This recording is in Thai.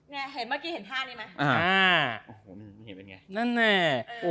เมื่อกี้เห็นท่านี้ไหมอ่านั่นแน่